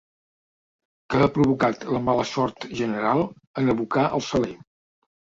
Que ha provocat la mala sort general en abocar el saler.